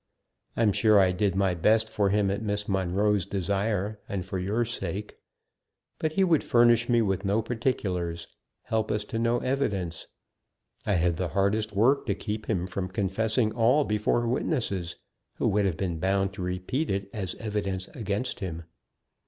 I'm sure I did my best for him at Miss Monro's desire and for your sake. But he would furnish me with no particulars, help us to no evidence. I had the hardest work to keep him from confessing all before witnesses, who would have been bound to repeat it as evidence against him.